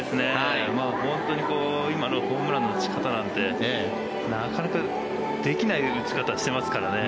本当に今のホームランの打ち方なんてなかなかできない打ち方してますからね。